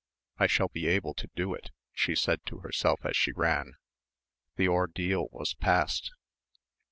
I shall be able to do it," she said to herself as she ran. The ordeal was past.